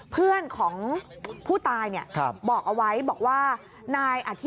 เพื่อนของผู้ตายเนี่ยบอกเอาไว้บอกว่านายอธิ